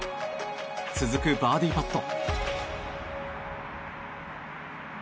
続くバーディーパット。